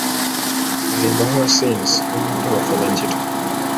Aririmba nkuwasinze niyo mpamvu ntabafana agira